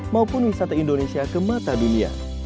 maupun wisata indonesia ke mata dunia